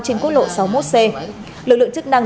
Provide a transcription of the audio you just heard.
trên quốc lộ sáu mươi một c lực lượng chức năng